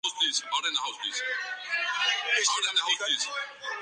لیکن حساب چکانے کی دیر ہو سکتی ہے۔